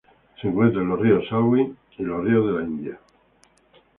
Se encuentra en el río Salween y los ríos de la India.